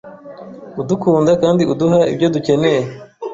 udukunda kandi uduha ibyo dukeneye